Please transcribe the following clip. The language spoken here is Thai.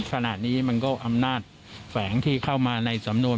ขณะนี้มันก็อำนาจแฝงที่เข้ามาในสำนวน